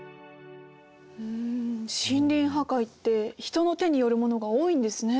ん森林破壊って人の手によるものが多いんですね。